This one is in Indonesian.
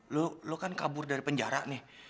lu lo kan kabur dari penjara nih